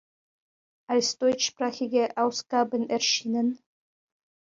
Als deutschsprachige Ausgaben erschienen